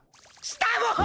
したもん！